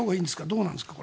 どうなんですか。